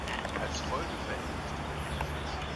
Als Folge verengen sich die Blutgefäße.